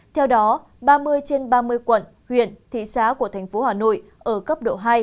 theo đó ba mươi trên ba mươi quận huyện thị xá của tp hà nội ở cấp độ hai